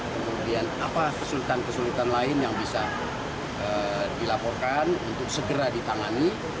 kemudian apa kesulitan kesulitan lain yang bisa dilaporkan untuk segera ditangani